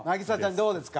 どうですか？